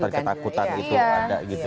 takutan takutan itu ada gitu ya